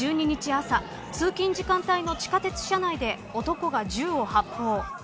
朝通勤時間帯の地下鉄車内で男が銃を発砲。